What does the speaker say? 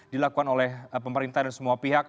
dilakukan oleh pemerintah dan semua pihak